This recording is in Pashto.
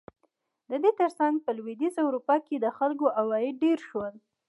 د دې ترڅنګ په لوېدیځه اروپا کې د خلکو عواید ډېر شول.